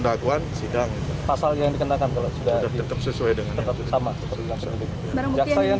dakwaan sidang pasal yang dikenakan kalau sudah tetap sesuai dengan tetap sama sepertinya yang